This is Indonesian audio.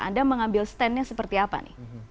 anda mengambil standnya seperti apa nih